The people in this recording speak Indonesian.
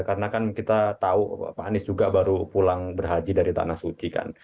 karena kan kita tahu pak anies juga baru pulang berhaji dari tanah suci kan